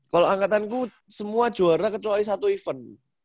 kalo angkatan ku semua juara kecuali satu ivan